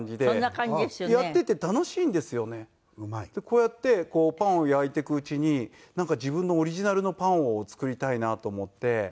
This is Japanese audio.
こうやってパンを焼いていくうちになんか自分のオリジナルのパンを作りたいなと思って。